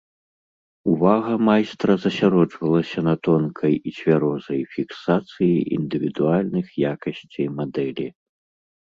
Увага майстра засяроджвалася на тонкай і цвярозай фіксацыі індывідуальных якасцей мадэлі.